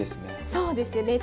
そうですよね。